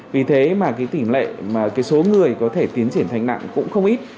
vì thế mà tỉnh lệ số người có thể tiến triển thành nặng cũng không ít